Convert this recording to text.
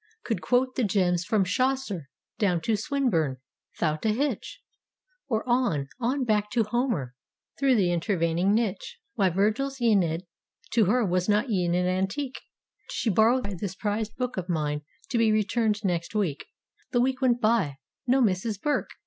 Could quote the gems from Chaucer down to Swin¬ burne 'thout a hitch; Or, on, on back to Homer, through the intervening niche. Why Virgil's ^neid to her was not e'en an an¬ tique— She borrowed this prized book of mine—to be re¬ turned next week. The week went by—no Mrs. Burke.